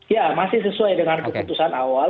ya masih sesuai dengan keputusan awal